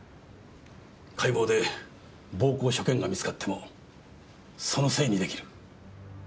解剖で暴行所見が見つかってもそのせいに出来る。